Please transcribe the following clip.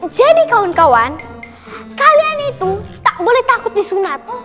jadi kawan kawan kalian itu tak boleh takut di sunat